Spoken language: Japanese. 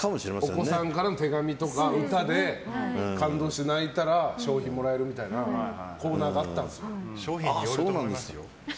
お子さんからの手紙とか歌で感動して泣いたら賞品がもらえるみたいなコーナーがあったんですね。